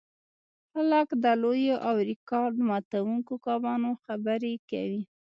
خلک د لویو او ریکارډ ماتوونکو کبانو خبرې کوي